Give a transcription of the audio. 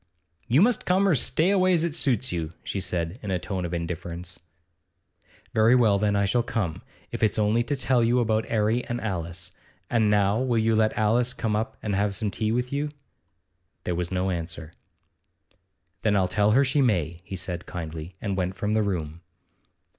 'You must come or stay away, as it suits you,' she said, in a tone of indifference. 'Very well, then I shall come, if it's only to tell you about 'Arry and Alice. And now will you let Alice come up and have some tea with you?' There was no answer. 'Then I'll tell her she may,' he said kindly, and went from the room.